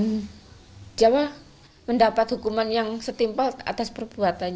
dan jawa mendapat hukuman yang setimpal atas perbuatan